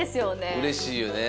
うれしいよね。